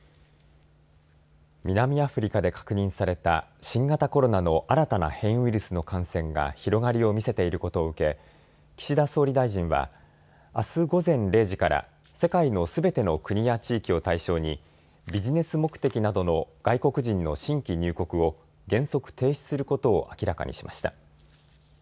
南アフリカで確認された新型コロナの新たな変異ウイルスの感染が広がりを見せていることを受け岸田総理大臣はあす午前０時から世界のすべての国や地域を対象にビジネス目的などの外国人の新規入国を原則、停止することを明らかにしました。